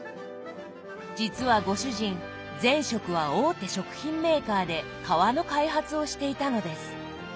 実はご主人前職は大手食品メーカーで皮の開発をしていたのです。